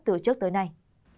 từ trước tới nay